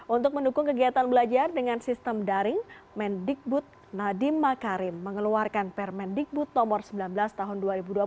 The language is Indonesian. untuk mendukung kegiatan belajar dengan sistem daring men dikbud nadiem makarim mengeluarkan per men dikbud nomor sembilan belas tahun dua ribu dua puluh